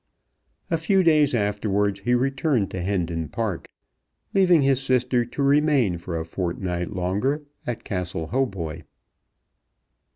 A few days afterwards he returned to Hendon Park, leaving his sister to remain for a fortnight longer at Castle Hautboy.